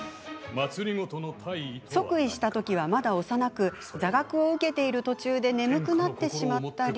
即位した時は、まだ幼く座学を受けている途中で眠くなってしまったり。